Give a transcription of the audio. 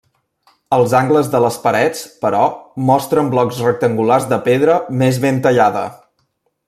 Els angles de les parets, però mostren blocs rectangulars de pedra més ben tallada.